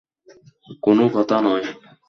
কোনো কথা নয়।